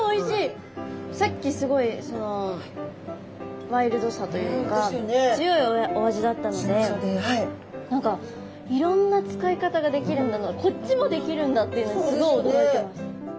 さっきすごいワイルドさというか強いお味だったので何かいろんな使い方ができるんだなこっちもできるんだっていうのにすごい驚いてます！